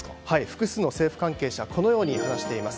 複数の政府関係者はこのように話しています。